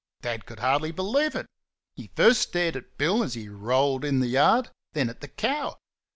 Dad could hardly believe it. He first stared at Bill as he rolled in the yard, then at the cow.